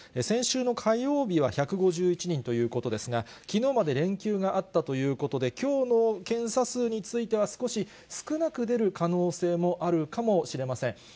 先週の火曜日は１５１人ということですが、きのうまで連休があったということで、きょうの検査数については、少し少なく出る可能性もあるかもしれません。